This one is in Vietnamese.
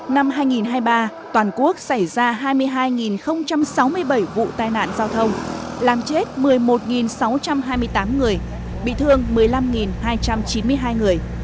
năm hai nghìn hai mươi ba toàn quốc xảy ra hai mươi hai sáu mươi bảy vụ tai nạn giao thông làm chết một mươi một sáu trăm hai mươi tám người bị thương một mươi năm hai trăm chín mươi hai người